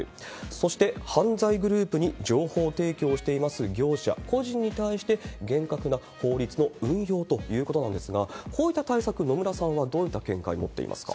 そして犯罪グループに情報提供しています業者、個人に対して、厳格な法律の運用ということなんですが、こういった対策、野村さんはどういった見解を持っていますか。